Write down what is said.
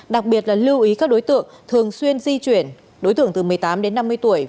đặc biệt là lưu ý các đối tượng thường xuyên di chuyển đối tượng từ một mươi tám đến năm mươi tuổi